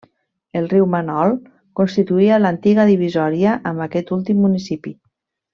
El riu Manol constituïa l'antiga divisòria amb aquest últim municipi.